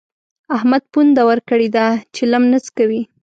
احمد پونده ورکړې ده؛ چلم نه څکوي.